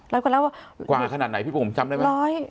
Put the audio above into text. กว่าแล้วกว่าขนาดไหนพี่บุ๋มจำได้ไหม